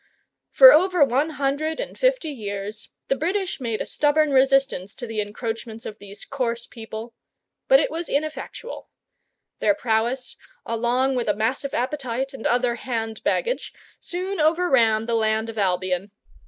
For over one hundred and fifty years the British made a stubborn resistance to the encroachments of these coarse people, but it was ineffectual. Their prowess, along with a massive appetite and other hand baggage, soon overran the land of Albion.